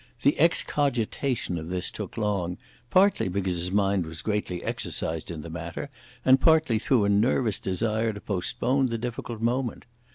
The excogitation of this took long, partly because his mind was greatly exercised in the matter, and partly through a nervous desire to postpone the difficult moment.